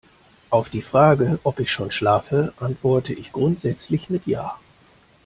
Auf die Frage, ob ich schon schlafe, antworte ich grundsätzlich mit ja.